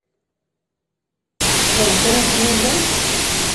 Teṭṭfeḍ kra n tnila?